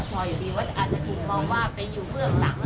มีเขาคอสะชออยู่ดีอาจจะถูกมอง